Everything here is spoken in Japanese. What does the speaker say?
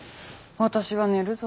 私は寝るぞ。